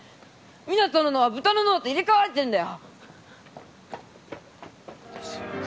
ミナトの脳は豚の脳と入れ替わってるんだよ。